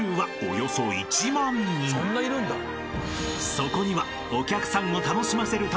［そこには］